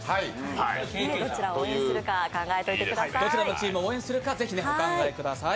どちらのチームを応援するかぜひお考えください。